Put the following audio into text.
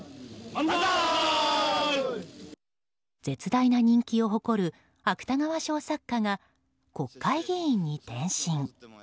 絶大な人気を誇る芥川賞作家が国会議員に転身。